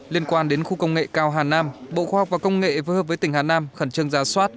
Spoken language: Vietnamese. liên quan đến khu công nghệ cao hà nam bộ khoa học và công nghệ với hợp với tỉnh hà nam khẩn trương ra soát